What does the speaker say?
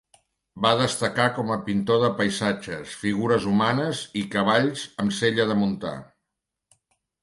Va destacar com a pintor de paisatges, figures humanes i cavalls amb sella de muntar.